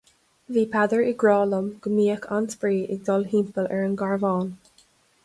Bhí Peadar ag rá liom go mbíodh an-spraoi ag dul thimpeall ar an gcarbhán.